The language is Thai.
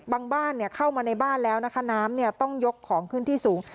บางบ้านเนี่ยเข้ามาในบ้านแล้วนะคะน้ำเนี่ยต้องยกของขึ้นที่สูง